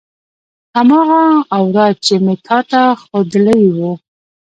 هماغه اوراد چې مې تا ته خودلي وو.